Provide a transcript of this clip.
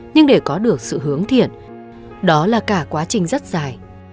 nhưng để có được sự hướng thiện đó là cả quá trình rất dài